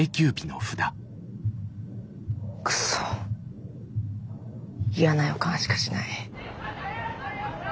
くそ嫌な予感しかしない。